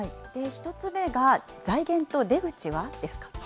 １つ目が財源と出口は？ですか。